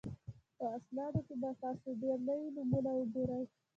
په اسنادو کې به تاسو ډېر نوي نومونه وګورئ.